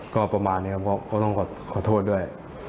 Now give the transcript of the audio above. ก็ประมาณนี้ครับก็ต้องขอโทษด้วย